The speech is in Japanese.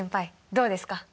どうですか？